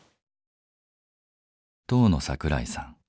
当の桜井さん。